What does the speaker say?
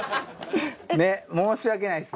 ねっ申し訳ないです。